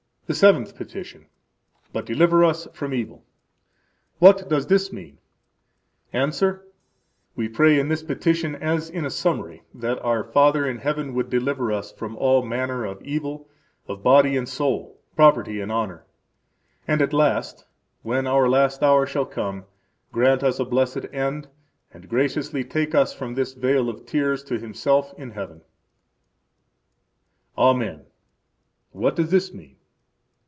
The Seventh Petition. But deliver us from evil. What does this mean? –Answer: We pray in this petition, as in a summary, that our Father in heaven would deliver us from all manner of evil, of body and soul, property and honor, and at last, when our last hour shall come, grant us a blessed end, and graciously take us from this vale of tears to Himself into heaven. Conclusion Amen. What does this mean?